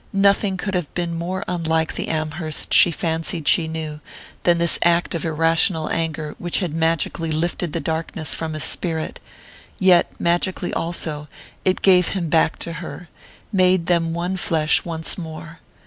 Nothing could have been more unlike the Amherst she fancied she knew than this act of irrational anger which had magically lifted the darkness from his spirit; yet, magically also, it gave him back to her, made them one flesh once more.